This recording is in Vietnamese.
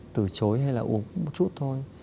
từ chối hay là uống một chút thôi